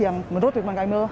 yang menurut tuan kamil